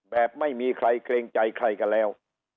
แบบไม่มีใครเกรงใจใครกันแล้ว